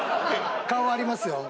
顔ありますよ。